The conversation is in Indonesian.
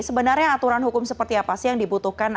sebenarnya aturan hukum seperti apa sih yang dibutuhkan